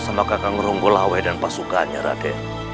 sama kakang ronggolawe dan pasukannya rake